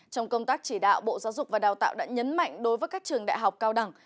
trong công tác chỉ đạo bộ giáo dục và đào tạo đã nhấn mạnh đối với các trường đại học cao đẳng